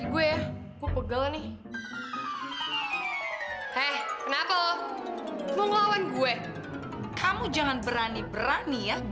gue gak mau tau gak ada besok besok